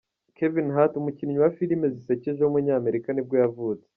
Kevin Hart, umukinnyi wa filime zisekeje w’umunyamerika nibwo yavutse.